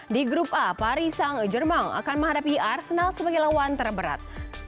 di grup a paris sang jerman akan menghadapi arsenal sebagai lawan terberat